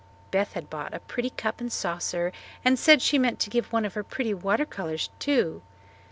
Beth had bought a pretty cup and saucer and said she meant to give one of her pretty water colours too.